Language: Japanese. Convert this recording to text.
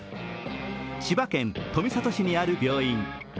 千葉県富里市にある病院。